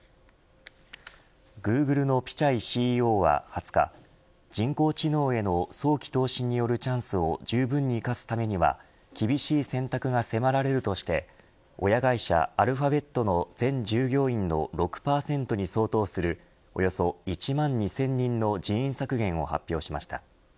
グーグルのピチャイＣＥＯは２０日人工知能への早期投資によるチャンスをじゅうぶんに生かすためには厳しい選択が迫られるとして親会社アルファベットの全従業員の６％に相当するおよそ１万２０００人の人員削減を発表しました。